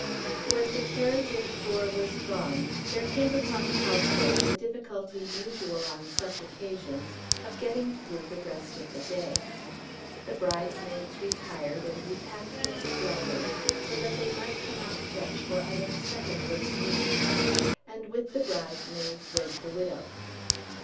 When the carriage and four was gone there came upon the household the difficulty usual on such occasions of getting through the rest of the day. The bridesmaids retired and repacked their splendours so that they might come out fresh for other second rate needs, and with the bridesmaids went the widow.